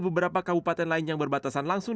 beberapa kabupaten lain yang berbatasan langsung